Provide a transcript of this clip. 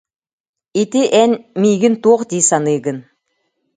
ити, эн, миигин туох дии саныыгын